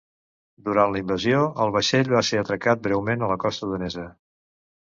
Durant la invasió, el vaixell va ser atracat breument a la costa danesa.